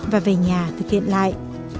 và về nhà thực hiện lại